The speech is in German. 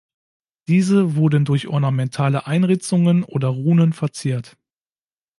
Diese wurden durch ornamentale Einritzungen oder Runen verziert.